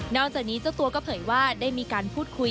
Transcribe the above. จากนี้เจ้าตัวก็เผยว่าได้มีการพูดคุย